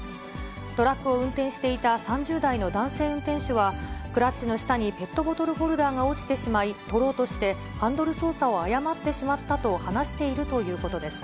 トラックを運転していた３０代の男性運転手は、クラッチの下にペットボトルホルダーが落ちてしまい、取ろうとしてハンドル操作を誤ってしまったと話しているということです。